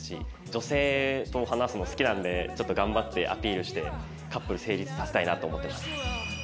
女性と話すの好きなんでちょっと頑張ってアピールしてカップル成立させたいなと思ってます。